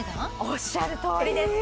おっしゃるとおりです